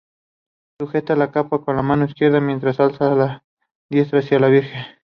Sujeta la capa con la mano izquierda, mientras alza la diestra hacia la Virgen.